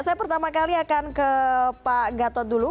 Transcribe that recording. saya pertama kali akan ke pak gatot dulu